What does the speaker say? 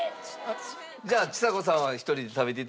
じゃあちさ子さんは１人で食べて頂いて。